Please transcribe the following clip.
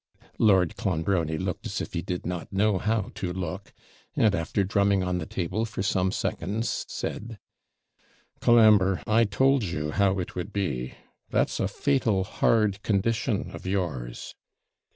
Lord Clonbrony looked as if he did not know how to look; and, after drumming on the table for some seconds, said 'Colambre, I told you how it would be. That's a fatal hard condition of yours.'